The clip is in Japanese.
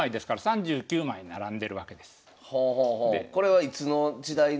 これはいつの時代の？